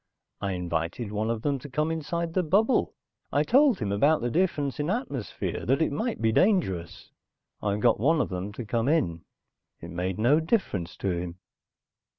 I invited one of them to come inside the bubble. I told him about the difference in atmosphere, that it might be dangerous. I got one of them to come in. It made no difference to him."